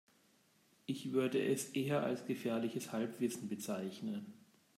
Ich würde es eher als gefährliches Halbwissen bezeichnen.